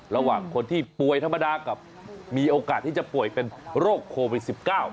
ระหว่างคนที่ป่วยธรรมดากับมีโอกาสที่จะป่วยเป็นโรคโควิด๑๙